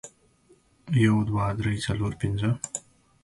Boys can wear pants.